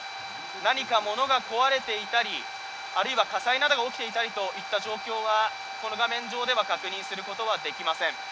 何か物が壊れていたり、あるいは火災などが起きていたりといった状況はこの画面上では確認することはできません。